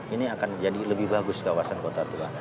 ini akan jadi lebih bagus kawasan kota tua